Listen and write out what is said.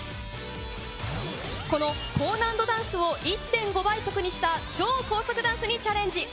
この高難度のダンスを１．５倍速にした超高速ダンスにチャレンジ。